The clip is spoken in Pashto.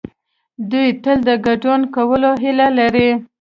دوی تل د ګډون کولو هيله لري.